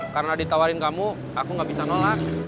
karena ditawarin kamu aku gak bisa nolak